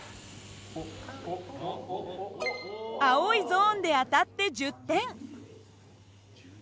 青いゾーンで当たって１０点。